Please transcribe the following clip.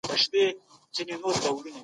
هیڅوک نه سي کولای د الله له حق سترګې پټې کړي.